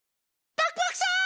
パクパクさん！